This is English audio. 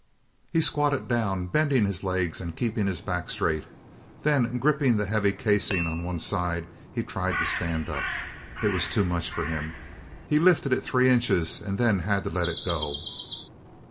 He squatted down, bending his legs and keeping his back straight. Then gripping the heavy casing on one side, he tried to stand up. It was too much for him. He lifted it three inches and then had to let go.